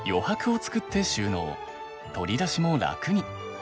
取り出しも楽に。